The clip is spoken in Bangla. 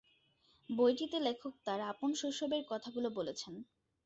বইটিতে লেখক তার আপন শৈশবের কথাগুলো বলেছেন।